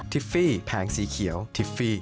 ฟี่แผงสีเขียวทิฟฟี่